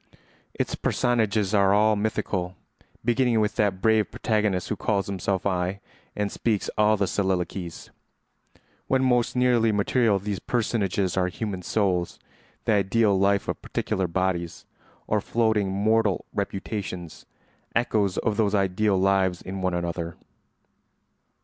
Its personages are all mythical, beginning with that brave protagonist who calls himself I and speaks all the soliloquies. When most nearly material these personages are human souls—the ideal life of particular bodies—or floating mortal reputations—echoes of those ideal lives in one another.